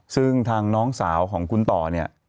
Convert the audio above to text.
ซึ่งทางน้องสาวของคุณต่อเนี่ย